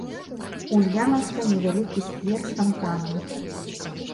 Ульянаўскай невялікі сквер з фантанам.